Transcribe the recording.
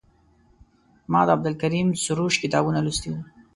ما د عبدالکریم سروش کتابونه لوستي وو.